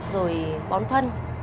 rồi bón phân